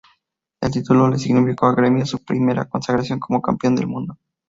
El título le significó a Grêmio su primera consagración como campeón del mundo.